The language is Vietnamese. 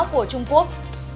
của trung quốc